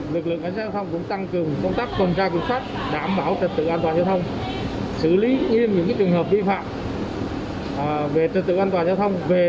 đảm bảo trật tự an toàn giao thông xử lý những trường hợp vi phạm về trật tự an toàn giao thông đảm bảo về kiểm soát dịch